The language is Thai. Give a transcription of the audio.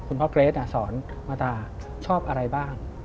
คุณพ่อเกรทฯอ่ะสอนมาตาชอบอะไรบ้าง